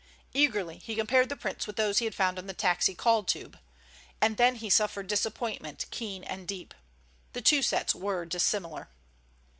Eagerly he compared the prints with those he had found on the taxi call tube. And then he suffered disappointment keen and deep. The two sets were dissimilar.